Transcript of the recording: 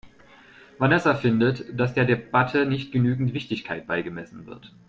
Vanessa findet, dass der Debatte nicht genügend Wichtigkeit beigemessen wird.